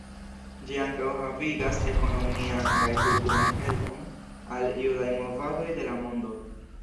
Ĝi ankaŭ havigas ekonomian kaj kulturan helpon al judaj movadoj de la mondo.